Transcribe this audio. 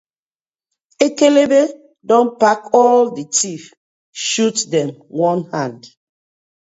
Ekekebe don pack all the thief shoot dem one hand.